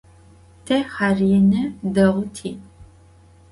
Te xherêne değu ti'.